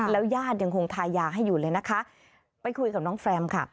แล้วญาติยังคงทายาให้อยู่เลยนะคะไปคุยกับน้องแรมค่ะ